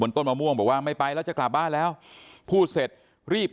ต้นมะม่วงบอกว่าไม่ไปแล้วจะกลับบ้านแล้วพูดเสร็จรีบ